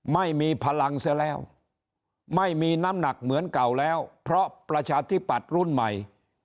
ไม่มีพลังเสียแล้วไม่มีน้ำหนักเหมือนเก่าแล้วเพราะประชาธิปัตย์รุ่นใหม่